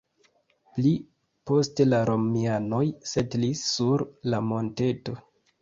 Pli poste la romianoj setlis sur la monteto.